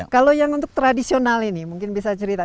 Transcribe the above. kalau yang untuk tradisional ini mungkin bisa cerita